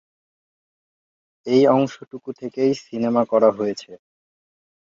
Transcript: এই অংশটুকু থেকেই সিনেমা করা হয়েছে।